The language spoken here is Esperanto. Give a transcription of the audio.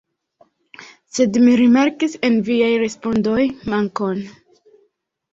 Sed mi rimarkis en viaj respondoj mankon.